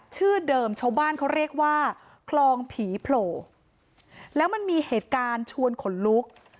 ชื่อเดิมชาวบ้านเขาเรียกว่าคลองผีโผล่แล้วมันมีเหตุการณ์ชวนขนลุก